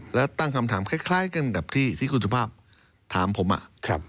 และตั้งคำถามแค่กันกับที่คุณสุภาพถามผม